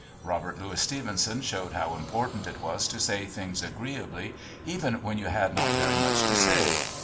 Robert Louis Stevenson showed how important it was to say things agreeably, even when you had not very much to say.